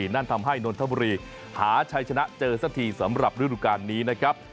นั่นทำให้นนทบุรีหาชัยชนะเจอสักทีสำหรับฤดูการนี้นะครับ